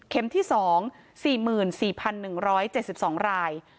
เข็มที่สอง๔๔๑๗๒ราย